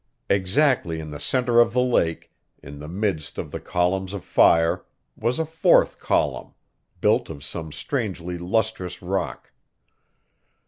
Exactly in the center of the lake, in the midst of the columns of fire, was a fourth column, built of some strangely lustrous rock.